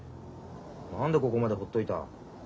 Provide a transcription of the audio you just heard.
何でここまで放っといた？